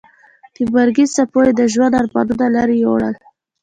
د مرګي څپو یې د ژوند ارمانونه لرې یوړل.